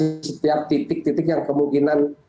di setiap titik titik yang kemungkinan